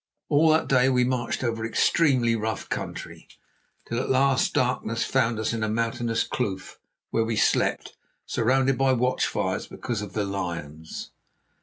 All that day we marched over extremely rough country, till at last darkness found us in a mountainous kloof, where we slept, surrounded by watch fires because of the lions.